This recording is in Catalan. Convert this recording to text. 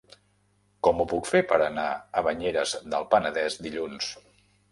Com ho puc fer per anar a Banyeres del Penedès dilluns?